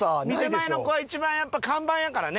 手前の子は一番やっぱ看板やからね。